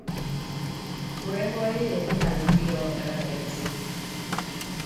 Hurrengoei egin ahal dio erreferentzi.